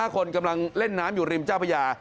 คนกำลังเล่นน้ำอยู่ริมเจ้าพญา